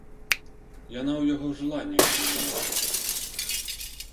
Яна ў яго жыла некалі малая.